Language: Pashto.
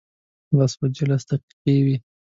لس بجې لس دقیقې وې.